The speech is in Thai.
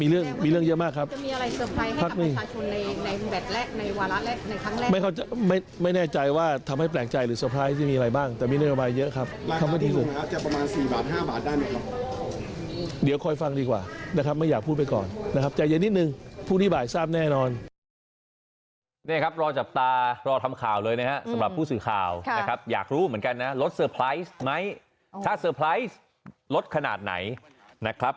เดี๋ยวคอยฟังดีกว่านะครับไม่อยากพูดไปก่อนนะครับ